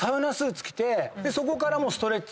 そこから。